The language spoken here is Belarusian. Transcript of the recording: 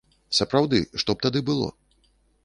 Сапраўды, што б тады было?